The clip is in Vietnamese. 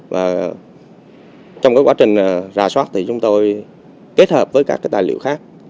và trong quá trình ra soát thì chúng tôi kết hợp với các cái tài liệu khác